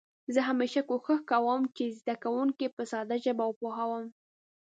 زه همېشه کوښښ کوم چې زده کونکي په ساده ژبه وپوهوم.